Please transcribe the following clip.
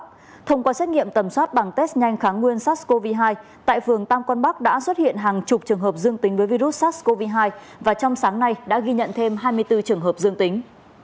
thông qua xét nghiệm tầm soát bằng test nhanh kháng nguyên sars cov hai tại phường tam quang bắc đã xuất hiện hàng chục trường hợp dương tính với virus sars cov hai và trong sáng nay đã ghi nhận thêm hai mươi bốn trường hợp dương tính